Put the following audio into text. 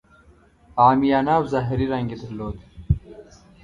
عامیانه او ظاهري رنګ یې درلود.